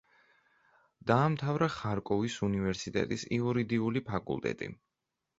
დაამთავრა ხარკოვის უნივერსიტეტის იურდიული ფაკულტეტი.